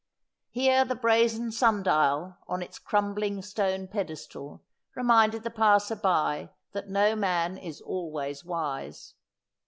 Here the brazen sun dial, on its crumbUng stone pedestal, reminded the passer by that no man is always wise.